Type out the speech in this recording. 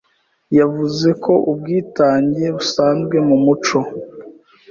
yevuze ko ubwitenge busenzwe mu muco